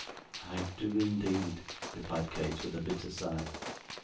'I do indeed,' replied Kate, with a bitter sigh.